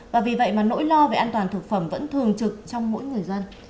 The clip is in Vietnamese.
và vì vậy mà nỗi lo về an toàn thực phẩm vẫn thường trực trong mỗi người dân